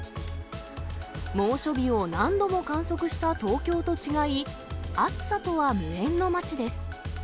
猛暑日を何度も観測した東京と違い、暑さとは無縁の町です。